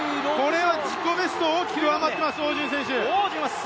これは自己ベストを大きく上回っています。